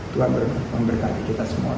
tuhan memberkati kita semua